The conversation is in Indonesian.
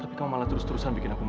tapi kamu malah terus terusan bikin aku